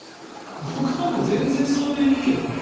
僕は全然、それでいいけどね。